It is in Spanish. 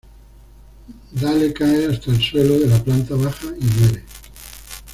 Dale cae hasta el suelo de la planta baja y muere.